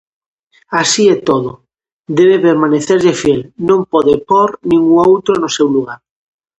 Así e todo, debe permanecerlle fiel, non pode pór ningún outro no seu lugar.